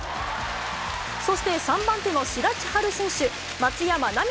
そして３番手の志田千陽選手・松山奈未